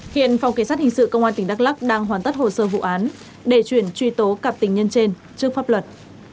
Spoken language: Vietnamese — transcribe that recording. hiện phòng kỳ sát hình sự công an tỉnh đắk lắc đang hoàn tất hồ sơ vụ án để chuyển truy tố cặp tình nhân trên trước pháp luật